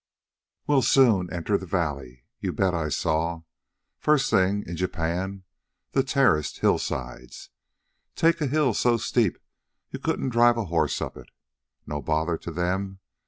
"We'll soon enter the valley. You bet I saw. First thing, in Japan, the terraced hillsides. Take a hill so steep you couldn't drive a horse up it. No bother to them.